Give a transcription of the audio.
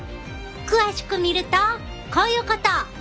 詳しく見るとこういうこと！